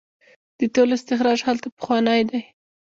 د تیلو استخراج هلته پخوانی دی.